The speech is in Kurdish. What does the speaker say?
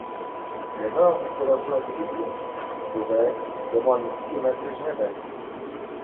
Dema em bi telefonê dilîzin divê dema lîstika me dirêj nebe.